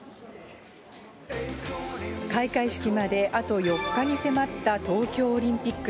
開会式まであと４日に迫った東京オリンピック。